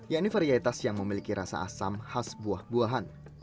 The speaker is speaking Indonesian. yakni varietas yang memiliki rasa asam khas buah buahan